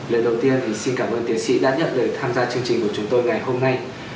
lời đầu tiên thì xin cảm ơn tiến sĩ đã nhận lời tham gia chương trình của chúng tôi ngày hôm nay